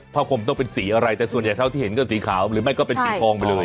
คมต้องเป็นสีอะไรแต่ส่วนใหญ่เท่าที่เห็นก็สีขาวหรือไม่ก็เป็นสีทองไปเลย